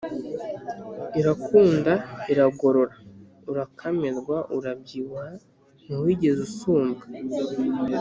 Irakunda iragororaUrakamirwa urabyibuhaNtiwigeze usumbwa